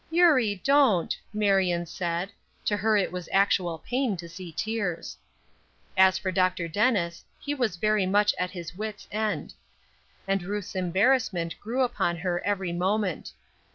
"Eurie, don't!" Marion said; to her it was actual pain to see tears. As for Dr. Dennis, he was very much at his wits' end, and Ruth's embarrassment grew upon her every moment.